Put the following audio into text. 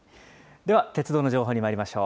では鉄道の情報にまいりましょう。